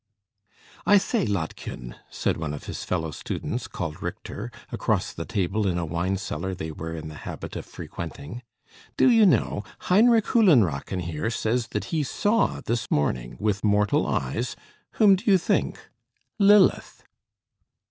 "I say, Lottchen," said one of his fellow students, called Richter, across the table in a wine cellar they were in the habit of frequenting, "do you know, Heinrich Höllenrachen here says that he saw this morning, with mortal eyes, whom do you think? Lilith."